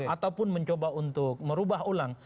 ataupun mencoba untuk merubah ulang